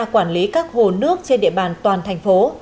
quản lý các hồ nước trên địa bàn toàn thành phố